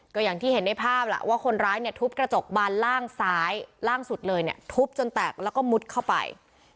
ก็อย่างที่เห็นในภาพล่ะว่าคนร้ายเนี่ยทุบกระจกบานล่างซ้ายล่างสุดเลยเนี่ยทุบจนแตกแล้วก็มุดเข้าไป